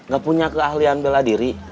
gak punya keahlian bela diri